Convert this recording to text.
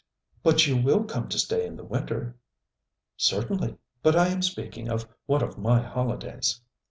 'But you will come to stay in the Winter?' 'Certainly. But I am speaking of one of my holidays.'